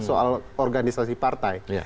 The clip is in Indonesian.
soal organisasi partai